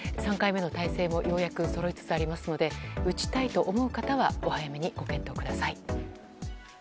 ３回目の体制もようやくそろいつつありますので打ちたいと思う方はお早めにご検討ください。